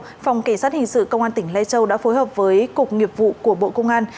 phòng kỳ sát hình sự công an tỉnh lai châu đã phối hợp với cục nghiệp vụ của bộ công an